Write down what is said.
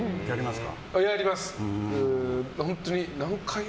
やります。